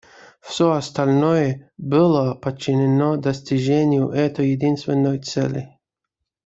Все остальное было подчинено достижению этой единственной цели.